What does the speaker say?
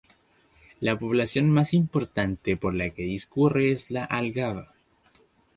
La población más importante por la que discurre es La Algaba.